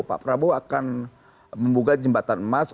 pak prabowo akan membuka jembatan emas